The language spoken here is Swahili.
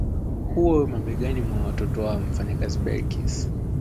huo uwe mabegani mwa watoto wa mfanyakazi Belqis